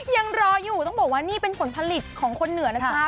ยังรออยู่ต้องบอกว่านี่เป็นผลผลิตของคนเหนือนะจ๊ะ